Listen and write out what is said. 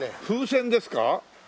風船ですか？